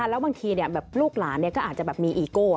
แล้วบางทีลูกหลานก็อาจจะแบบมีอีโก้